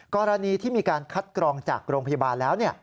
กรณีที่มีการคัดกรองจากโรงพยาบาลแล้ว